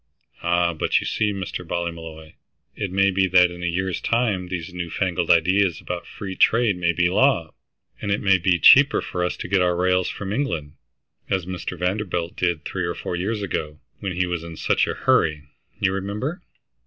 "Ah but you see, Mr. Ballymolloy, it may be that in a year's time these new fangled ideas about free trade may be law, and it may be much cheaper for us to get our rails from England, as Mr. Vanderbilt did three or four years ago, when he was in such a hurry, you remember."